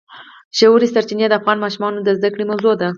ژورې سرچینې د افغان ماشومانو د زده کړې موضوع ده.